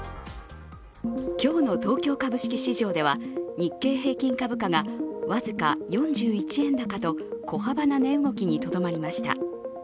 今日の東京株式市場では日経平均株価が僅か４１円高と小幅な値動きにとどまりました。